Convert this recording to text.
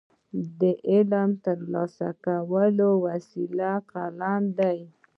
د علم ترلاسه کولو وسیله قلم دی.